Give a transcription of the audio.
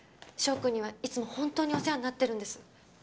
翔くんにはいつも本当にお世話になってるんです。